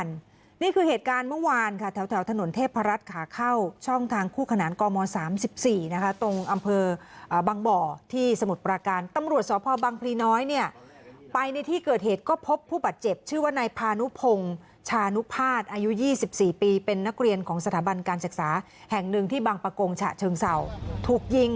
นี่คือเหตุการณ์เมื่อวานค่ะแถวถนนเทพรัฐขาเข้าช่องทางคู่ขนานกม๓๔นะคะตรงอำเภอบางบ่อที่สมุทรปราการตำรวจสพบังพลีน้อยเนี่ยไปในที่เกิดเหตุก็พบผู้บาดเจ็บชื่อว่านายพานุพงชานุภาษอายุ๒๔ปีเป็นนักเรียนของสถาบันการศึกษาแห่งหนึ่งที่บางประกงฉะเชิงเศร้าถูกยิง